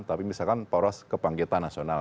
tapi misalkan poros kebangkitan nasional